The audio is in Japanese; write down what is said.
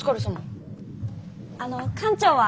あの艦長は？